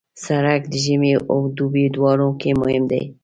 سړک د ژمي او دوبي دواړو کې مهم دی.